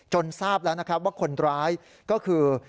ทราบแล้วนะครับว่าคนร้ายก็คือ